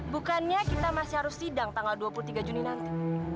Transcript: bukannya kita masih harus sidang tanggal dua puluh tiga juni nanti